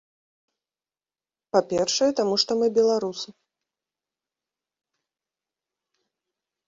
Па першае, таму што мы беларусы.